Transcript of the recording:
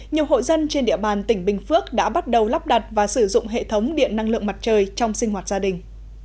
nhiều hộ dân trên địa bàn tỉnh bình phước đã bắt đầu lắp đặt và sử dụng hệ thống điện năng lượng mặt trời trong sinh hoạt gia đình